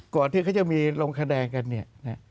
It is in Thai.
ก่อนที่เขาจะมีลงคะแนนกันเนี่ยนะ